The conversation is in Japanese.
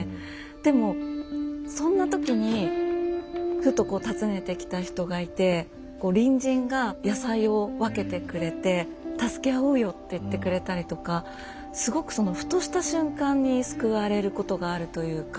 でもそんな時にふとこう訪ねてきた人がいてこう隣人が野菜を分けてくれて「助けあおうよ！」って言ってくれたりとかすごくそのふとした瞬間に救われることがあるというか。